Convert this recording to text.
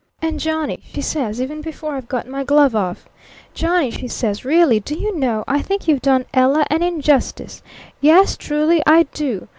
'And Johnny,' she says even before I've got my glove off 'Johnny,' she says, 'really, do you know, I think you've done Ella an injustice. Yes, truly I do.